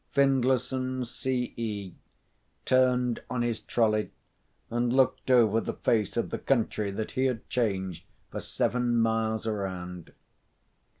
Findlayson, C. E., turned on his trolley and looked over the face of the country that he had changed for seven miles around.